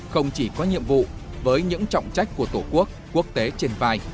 không chỉ có nhiệm vụ với những trọng trách của tổ quốc quốc tế trên vai